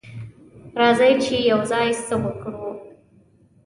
راځه چې یوځای څه وکړو.